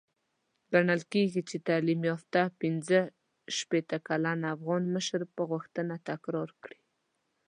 ګڼل کېږي چې تعليم يافته پنځه شپېته کلن افغان مشر به غوښتنه تکرار کړي.